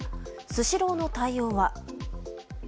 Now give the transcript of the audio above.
スシローの対応は。